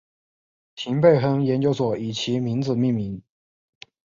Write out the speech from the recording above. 廷贝亨研究所以其名字命名。